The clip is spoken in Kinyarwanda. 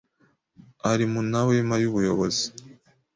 ari mu nawema y'ubuyobozi.